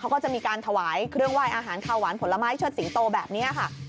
เขาก็จะมีการถวายเครื่องไหว้อาหารข้าวหวานผลไม้เชิดสิงโตแบบนี้ค่ะ